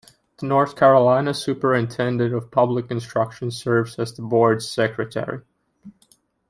The North Carolina Superintendent of Public Instruction serves as the board's secretary.